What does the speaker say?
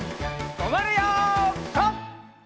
とまるよピタ！